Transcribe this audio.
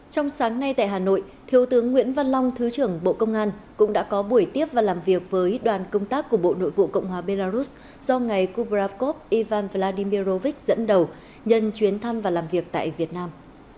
trong sáng nay tại hà nội thiếu tướng nguyễn văn long thứ trưởng bộ công an cũng đã có buổi tiếp và làm việc với đoàn công tác của bộ nội vụ cộng hòa belarus do ngài kubrakov ivan vladimirrovich dẫn đầu nhân chuyến thăm và làm việc tại việt nam